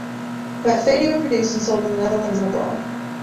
About thirty were produced and sold in the Netherlands and abroad.